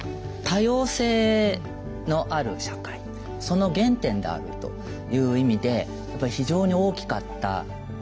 多様性のある社会その原点であるという意味で非常に大きかった。